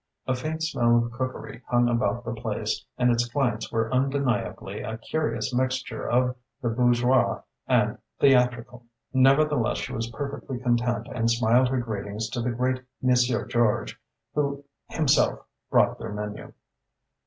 A faint smell of cookery hung about the place and its clients were undeniably a curious mixture of the bourgeois and theatrical. Nevertheless, she was perfectly content and smiled her greetings to the great Monsieur George, who himself brought their menu.